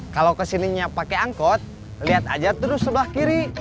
kalau kesininya pake angkot liat aja terus sebelah kiri